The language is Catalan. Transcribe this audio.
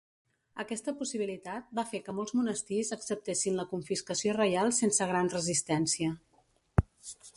Aquesta possibilitat va fer que molts monestirs acceptessin la confiscació reial sense gran resistència.